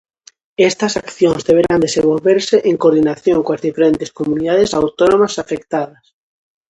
Estas accións deberán desenvolverse "en coordinación coas diferentes Comunidades Autónomas afectadas".